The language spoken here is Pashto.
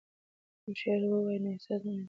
که شعر ووایو نو احساس نه مري.